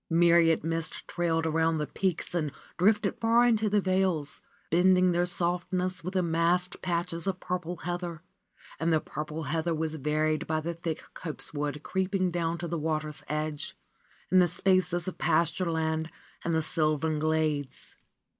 Myriad mists trailed around the peaks and drifted far into the vales, blending their softness with the massed patches of purple heather, and the purple heather was varied by the thick copsewood creeping down to the water's edge, and the spaces of pastureland, and the sylvan grades.